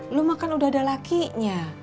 lu makan udah ada lakinya